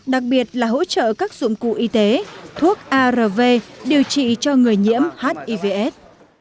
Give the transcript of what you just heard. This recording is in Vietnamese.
đặc biệt là hỗ trợ các dụng cụ y tế thuốc arv điều trị cho người nhiễm hiv aids